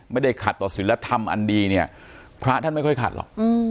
ไม่ได้ขัดต่อศิลธรรมอันดีเนี่ยพระท่านไม่ค่อยขัดหรอก